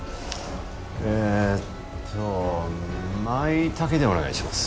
えっと舞茸でお願いします。